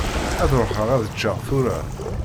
Ad ruḥeɣ ad ččeɣ tura.